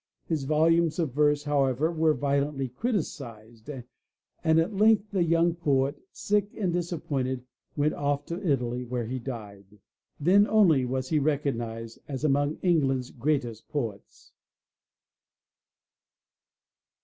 His volumes of verse, however, were violently criticised and at length the young poet, sick and disappointed, went off to Italy where he died. Then only was he recognized as among England's greatest poets.